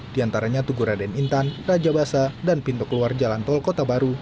diantaranya tuguraden intan raja basa dan pintu keluar jalan tol kota baru